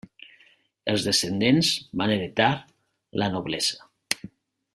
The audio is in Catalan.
Els descendents van heretar la noblesa.